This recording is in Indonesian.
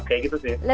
kayak gitu sih